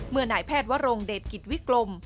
เมื่อไหนแพทย์วรรมเดชกิจวิกลม